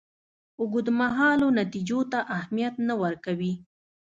اوږدمهالو نتیجو ته اهمیت نه ورکوي.